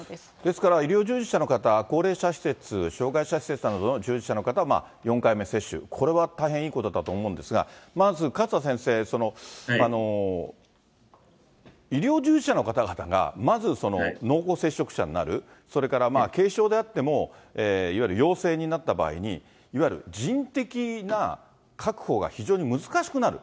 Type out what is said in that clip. ですから医療従事者の方、高齢者施設、障害者施設などの従事者の方は４回目接種、これは大変いいことだと思うんですが、まず勝田先生、医療従事者の方々がまず濃厚接触者になる、それから軽症であっても、いわゆる陽性になった場合に、いわゆる人的な確保が非常に難しくなる。